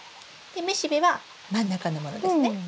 雌しべは真ん中のものですね？